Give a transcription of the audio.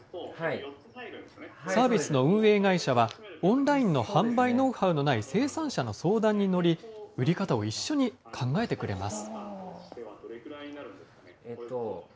サービスの運営会社は、オンラインの販売ノウハウのない生産者の相談に乗り、売り方を一緒に考えてくれます。